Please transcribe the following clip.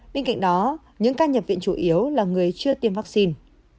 bên cạnh đó những ca nhập viện chủ yếu là người chưa tiêm vaccine